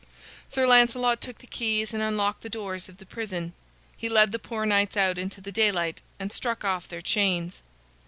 Sir Lancelot took the keys and unlocked the doors of the prison. He led the poor knights out into the daylight and struck off their chains.